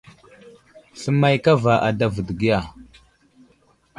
Sləmay kava i adavo dəgiya.